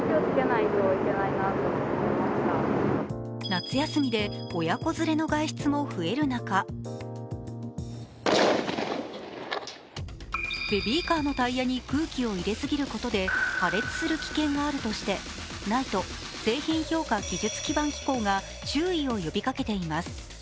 夏休みで親子連れの外出も増える中、ベビーカーのタイヤに空気を入れすぎることで破裂する危険があるとしてＮＩＴＥ＝製品評価技術基盤機構が注意を呼びかけています。